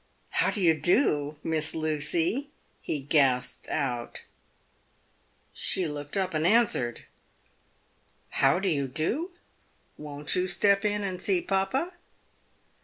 " How do you do, Miss Lucy ?" he gasped out. 350 PAVED WITH GOLD. She looked up, and answered, " How do you do ? Won't you step in and see papa